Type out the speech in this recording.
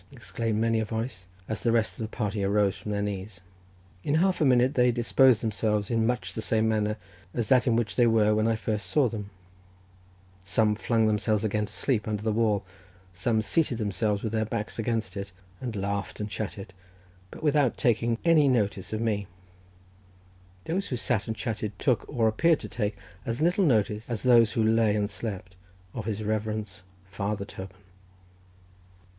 exclaimed many a voice, as the rest of the party arose from their knees. In half a minute they disposed themselves in much the same manner as that in which they were when I first saw them: some flung themselves again to sleep under the wall, some seated themselves with their backs against it, and laughed and chatted, but without taking any notice of me; those who sat and chatted took, or appeared to take, as little notice as those who lay and slept, of his reverence Father Toban.